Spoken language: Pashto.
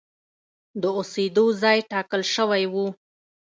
د اوسېدو ځای ټاکل شوی و.